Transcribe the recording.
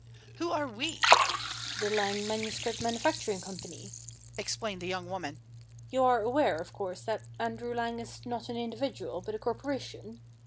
Who are we?" "The Lang Manuscript Manufacturing Company," explained the young woman. "You are aware, of course, that Andrew Lang is not an individual, but a corporation?"